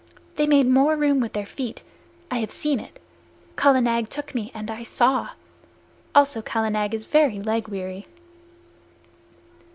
They made more room with their feet. I have seen it. Kala Nag took me, and I saw. Also Kala Nag is very leg weary!"